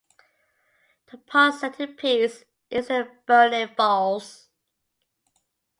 The park's centerpiece is the Burney Falls.